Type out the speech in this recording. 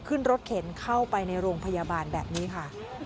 ขึ้นรถเข็นเข้าไปในโรงพยาบาลแบบนี้ค่ะ